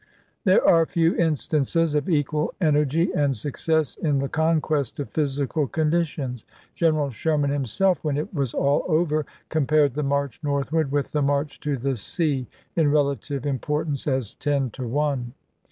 There are few instances of pp. mfik equal energy and success in the conquest of physi cal conditions. General Sherman himself, when it was all over, compared the march northward with the march to the sea, in relative importance as ten to one.